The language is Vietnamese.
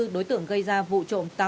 đối tượng gây ra vụ trộm cắp